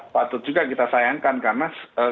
patut juga kita sayangkan karena